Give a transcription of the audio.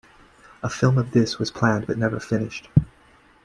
A film of this was planned but never finished.